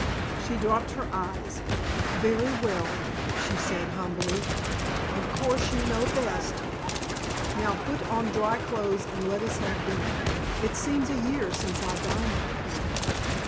She dropped her eyes. "Very well," she said humbly. "Of course you know best." "Now, put on dry clothes and let us have dinner. It seems a year since I dined with you."